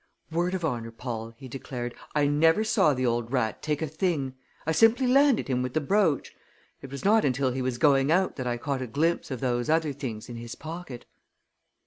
"Word of honor, Paul!" he declared; "I never saw the old rat take a thing! I simply landed him with the brooch. It was not until he was going out that I caught a glimpse of those other things in his pocket."